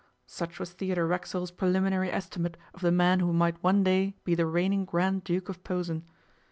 Such was Theodore Racksole's preliminary estimate of the man who might one day be the reigning Grand Duke of Posen.